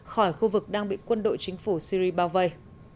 khỏi khu vực đang bị quân đội chính phủ syri bao vây